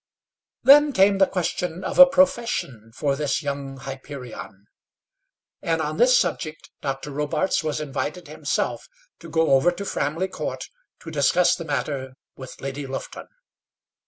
Then came the question of a profession for this young Hyperion, and on this subject, Dr. Robarts was invited himself to go over to Framley Court to discuss the matter with Lady Lufton.